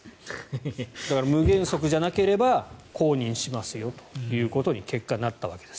だから無原則じゃなければ公認しますよと結果、なったわけです。